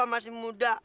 apa masih muda